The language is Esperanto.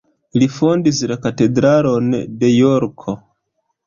Li fondis la katedralon de Jorko.